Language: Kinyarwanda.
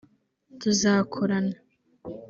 tuzakorana